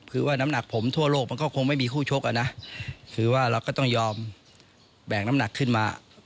คือว่าน้ำหนักผมทั่วโลกมันก็คงไม่มีคู่ชกอะนะคือว่าเราก็ต้องยอมแบ่งน้ำหนักขึ้นมา